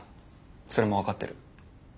それも分かってる。